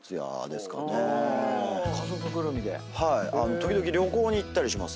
時々旅行に行ったりします。